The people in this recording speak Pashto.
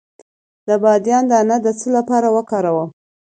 د بادیان دانه د څه لپاره وکاروم؟